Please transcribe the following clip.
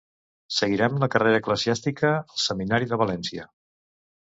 Seguirem la carrera eclesiàstica al Seminari de València.